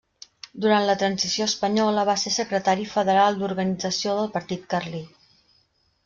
Durant la Transició Espanyola, va ser secretari federal d'Organització del Partit Carlí.